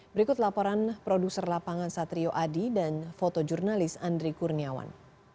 berikut laporan produser lapangan satrio adi dan fotojurnalis andri kurniawan